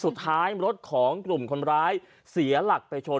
สุดท้ายรถของกลุ่มคนร้ายเสียหลักไปชน